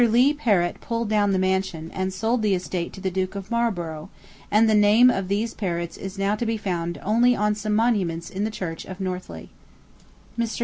Leigh Perrot pulled down the mansion, and sold the estate to the Duke of Marlborough, and the name of these Perrots is now to be found only on some monuments in the church of Northleigh. Mr.